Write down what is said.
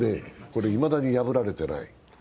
これいまだに破られていない。